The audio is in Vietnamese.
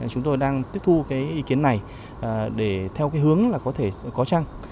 chúng tôi đang tiếp thu ý kiến này để theo hướng có trăng